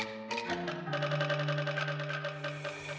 cukup kicimpring kang mus